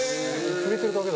触れてるだけだ。